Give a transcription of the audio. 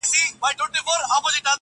راسه يوار راسه صرف يوه دانه خولگۍ راكړه.